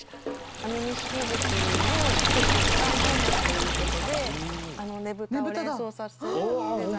安美錦関の故郷が青森ということでねぶたを連想させるデザイン。